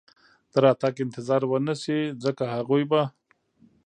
د راتګ انتظار و نه شي، ځکه هغوی به.